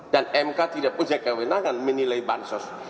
dan mk tidak punya kewenangan menilai bansos